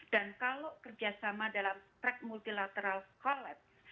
dan kalau kerjasama dalam trak multilateral kolaps